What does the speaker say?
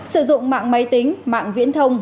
sử dụng mạng máy tính mạng viễn thông